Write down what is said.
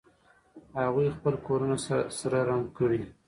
هغوی خپل کورونه سره رنګ کړي